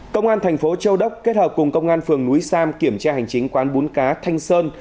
công an thành phố châu đốc kết hợp cùng công an phường núi sam kiểm tra hành chính quán bún cá thanh sơn